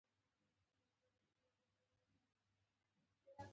زه خپل موټر چلوم